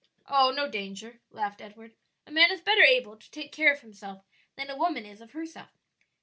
"Oh, no danger!" laughed Edward; "a man is better able to take care of himself than a woman is of herself."